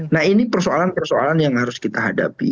nah ini persoalan persoalan yang harus kita hadapi